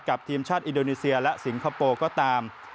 ทีมชาติอินโดนีเซียและสิงคโปร์ก็ตาม